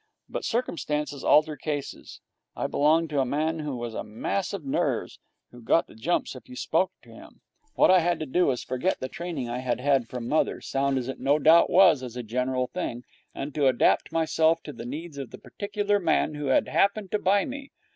But circumstances alter cases. I belonged to a man who was a mass of nerves, who got the jumps if you spoke to him. What I had to do was to forget the training I had had from mother, sound as it no doubt was as a general thing, and to adapt myself to the needs of the particular man who had happened to buy me.